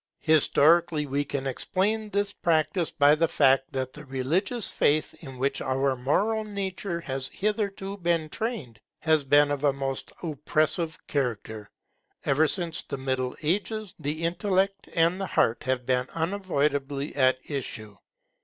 Historically we can explain this practice by the fact that the religious faith in which our moral nature has hitherto been trained has been of a most oppressive character. Ever since the Middle Ages, the intellect and the heart have been unavoidably at issue.